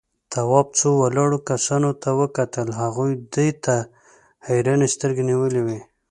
تواب څو ولاړو کسانو ته وکتل، هغوی ده ته حيرانې سترگې نيولې وې.